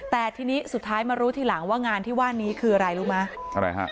แต่ทีนี้สุดท้ายมารู้ทีหลังว่างานที่ว่านี้คืออะไรรู้ไหมอะไรฮะ